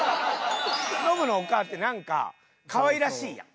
ノブのおかあってなんかかわいらしいやん。